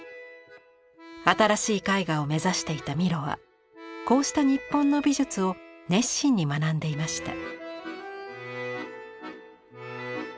新しい絵画を目指していたミロはこうした日本の美術を熱心に学んでいました。